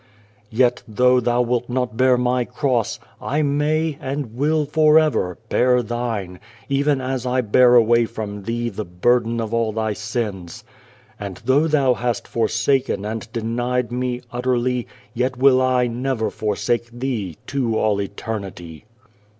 " Yet though thou wilt not bear My Cross, I may, and will, for ever, bear thine, even as I bear away from thee the burden of all thy sins. " And though thou hast forsaken and denied Me utterly, yet will I never forsake thee to all eternity